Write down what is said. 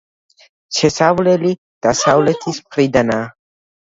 შესასვლელი დასავლეთის მხრიდანაა.